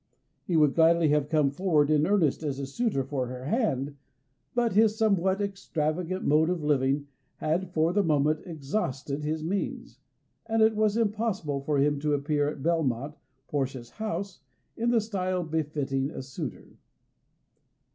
He would gladly have come forward in earnest as a suitor for her hand, but his somewhat extravagant mode of living had for the moment exhausted his means, and it was impossible for him to appear at Belmont, Portia's house, in the style befitting a suitor.